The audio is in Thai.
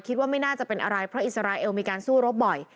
คิดว่าไม่น่าจะเป็นอะไรเพราะอิสราเอลมีการสู้รบบ่อย